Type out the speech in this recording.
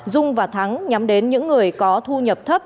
dung và thắng nhắm đến những người có thu nhập thấp